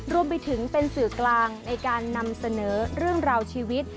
รวมไปถึงเป็นสื่อกลางในการนำเสนอเรื่องราวชีวิต